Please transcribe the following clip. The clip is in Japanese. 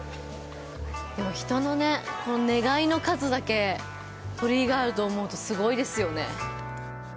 でも、人のね、この願いの数だけ鳥居があると思うとすごいですよね。